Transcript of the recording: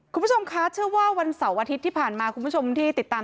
คุณผู้ชมคะเชื่อว่าวันเสาร์อาทิตย์ที่ผ่านมาคุณผู้ชมที่ติดตาม